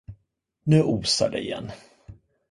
Nu osar det igen.